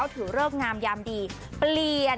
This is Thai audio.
ถือเลิกงามยามดีเปลี่ยน